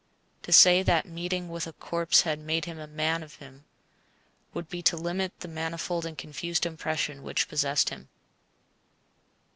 To say that meeting with a corpse had made a man of him would be to limit the manifold and confused impression which possessed him.